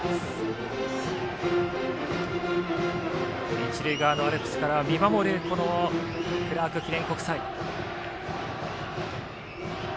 一塁側のアルプスから見守るクラーク記念国際。